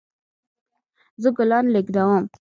زه ګلان لیږدوم